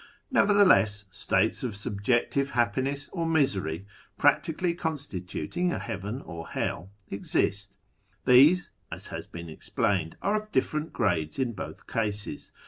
Nevertheless, states of subjective happiness or misery, practically constituting a heaven or hell, exist. These, as has been explained, are of different grades MYSTICISM, METAPHYSIC, AND MAGIC 141 ill both cases.